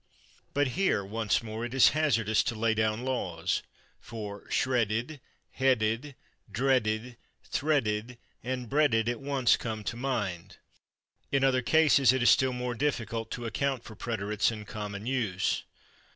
But here, once more, it is hazardous to lay down laws, for /shredded/, /headed/, /dreaded/, /threaded/ and /breaded/ at once come to mind. In other cases it is still more difficult to account for preterites in common use.